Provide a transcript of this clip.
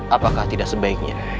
apakah tidak sebaiknya